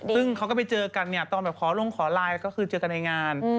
ซึ่งเขาก็ไปเจอกันเนี่ยตอนแบบขอลงขอไลน์ก็คือเจอกันในงาน